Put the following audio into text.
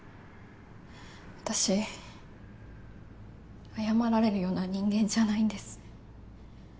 私謝られるような人間じゃないんです。